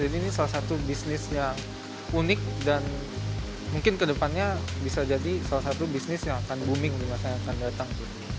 jadi ini salah satu bisnis yang unik dan mungkin ke depannya bisa jadi salah satu bisnis yang akan booming di masa yang akan datang